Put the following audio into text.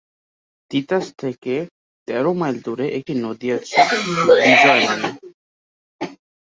তিতাস থেকে তেরো মাইল দূরে একটি নদী আছে বিজয় নামে।